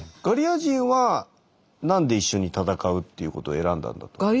ガリア人はなんで一緒に戦うっていうことを選んだんだと？